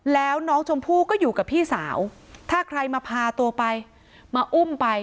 แล้วน้องชมพู่ก็อยู่กับพี่สาวถ้าใครมาพาตัวไปมาอุ้มไป